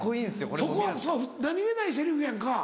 そこは何げないセリフやんか。